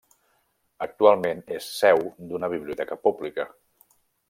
Actualment és seu d'una biblioteca pública.